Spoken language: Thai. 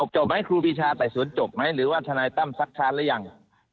จบไหมครูปีชาต่ายสวนจบไหมหรือว่าทนายตั้มสักครั้งแล้วยัง